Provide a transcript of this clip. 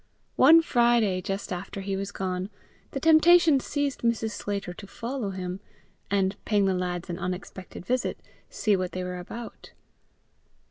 One Friday, just after he was gone, the temptation seized Mrs. Sclater to follow him, and, paying the lads an unexpected visit, see what they were about.